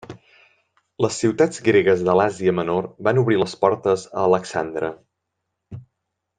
Les ciutats gregues de l'Àsia Menor van obrir les portes a Alexandre.